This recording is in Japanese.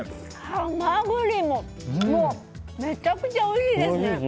ハマグリもめちゃくちゃおいしいですね。